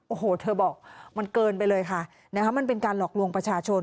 โอ้โหเธอบอกมันเกินไปเลยค่ะนะคะมันเป็นการหลอกลวงประชาชน